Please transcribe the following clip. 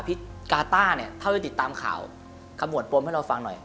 กาต้าเนี่ยเท่าที่ติดตามข่าวขมวดปมให้เราฟังหน่อย